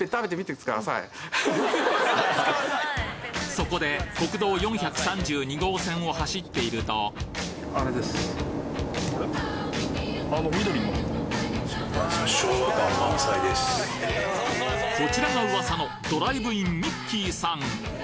そこで国道４３２号線を走っているとこちらが噂のドライブインミッキーさん